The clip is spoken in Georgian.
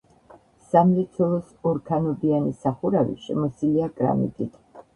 სამლოცველოს ორქანობიანი სახურავი შემოსილია კრამიტით.